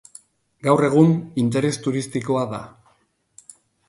Gaur egun, interes turistikoa da.